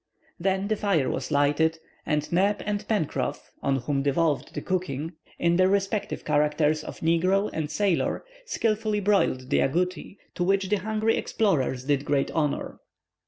Then the fire was lighted, and Neb and Pencroff, on whom devolved the cooking, in their respective characters of negro and sailor, skilfully broiled the agouti, to which the hungry explorers did great honor.